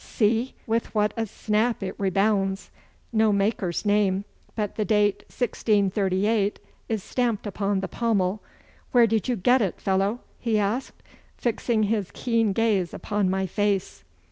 'See, with what a snap it rebounds! No maker's name, but the date 1638 is stamped upon the pommel. Where did you get it, fellow?' he asked, fixing his keen gaze upon my face.